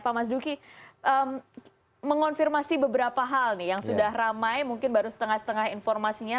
pak mas duki mengonfirmasi beberapa hal nih yang sudah ramai mungkin baru setengah setengah informasinya